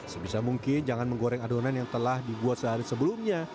sebisa mungkin jangan menggoreng adonan yang telah dibuat sehari sebelumnya